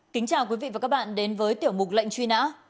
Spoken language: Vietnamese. kính chào quý vị và các bạn đến với tiểu mục lệnh truy nã